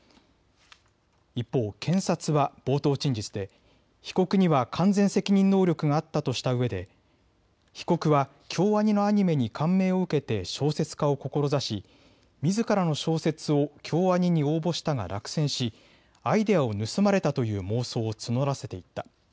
一方、検察は冒頭陳述で被告には完全責任能力があったとしたうえで被告は京アニのアニメに感銘を受けて小説家を志し、みずからの小説を京アニに応募したが落選しアイデアを盗まれたという妄想を募らせていった。